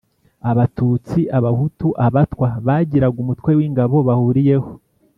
Abatutsi, Abahutu, Abatwa bagiraga umutwe w'ingabo bahuriyeho